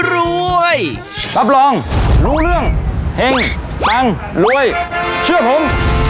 รวยรับรองรู้เรื่องเฮงปังรวยเชื่อผม